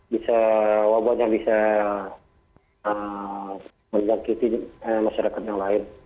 dan wabahnya bisa menjagiti masyarakat yang lain